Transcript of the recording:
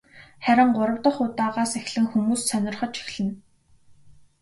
Харин гурав дахь удаагаас эхлэн хүмүүс сонирхож эхэлнэ.